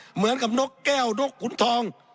เหมือนกับนกแก้วนกขุนทอง